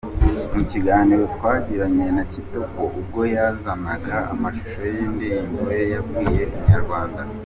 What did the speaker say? Mu kiganiro twagiranye na Kitoko ubwo yazanaga amashusho y’iyi ndirimbo yabwiye Inyarwanda.